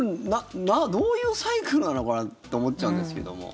どういうサイクルなのかなって思っちゃうんですけども。